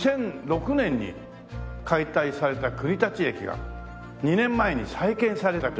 ２００６年に解体された国立駅が２年前に再建されたという事で。